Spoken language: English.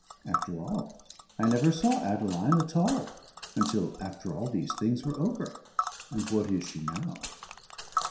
After all, I never saw Adeline at all until after all these things were over, and what is she now?